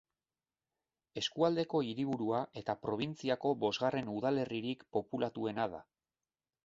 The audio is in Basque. Eskualdeko hiriburua eta probintziako bosgarren udalerririk populatuena da.